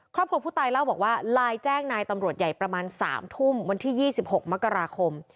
ครอบครัวผู้ตายเล่าบอกว่าไลน์แจ้งนายตำรวจใหญ่ประมาณ๓ทุ่มวันที่๒๖มกราคม